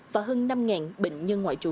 và hơn năm bệnh nhân ngoại trú